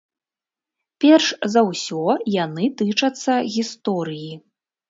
Перш за ўсё яны тычацца гісторыі.